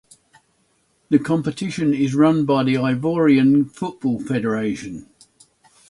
The competition is run by the Ivorian Football Federation.